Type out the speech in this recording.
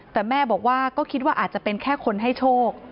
แต่แม่บอกว่าก็คิดว่าอาจจะเป็นแค่คนให้โชค